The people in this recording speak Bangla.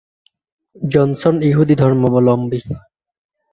জনসন ইহুদি ধর্মাবলম্বী।